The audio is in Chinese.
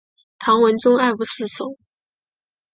唐文宗爱不释手。